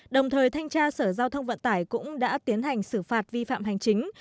đồng thời thanh tra sở giao thông vận tải cũng đã tiến hành xử phạt vi phạm hành chính